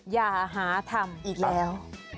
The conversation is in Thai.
ยาหาธรรมอีกแล้ว